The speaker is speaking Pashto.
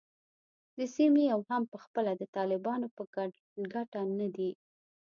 د سیمې او هم پخپله د طالبانو په ګټه نه دی